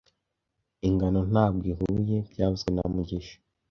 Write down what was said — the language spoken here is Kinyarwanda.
Ingano ntabwo ihuye byavuzwe na mugisha